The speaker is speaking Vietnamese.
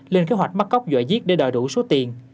lên kế hoạch bắt cóc dọa giết để đòi đủ số tiền